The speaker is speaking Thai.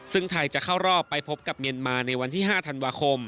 ซึ่งไทยจะเข้ารอบไปพบกับเมียนมาในวันที่๕ธันวาคม